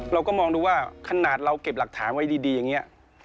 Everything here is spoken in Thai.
เราก็มองดูว่าขนาดเราเก็บหลักฐานไว้ดีอย่างนี้